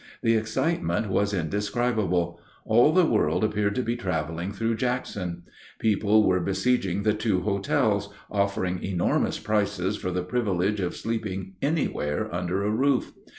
The excitement was indescribable. All the world appeared to be traveling through Jackson. People were besieging the two hotels, offering enormous prices for the privilege of sleeping anywhere under a roof.